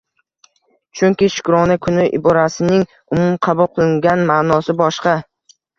Chunki Shukrona kuni iborasining umum qabul qilingan maʼnosi boshqa